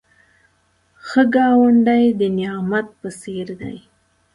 ښه ګاونډی د نعمت په څېر دی